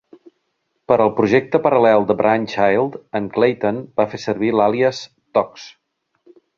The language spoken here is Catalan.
Per al projecte paral·lel de Brainchild, en Klayton va fer servir l'àlies Tox.